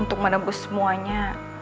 untuk menebus semuanya